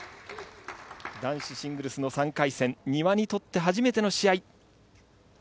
男子シングルスの３回戦、丹羽にとって初めての試合。